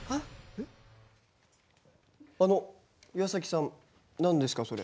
あの岩さん何ですか？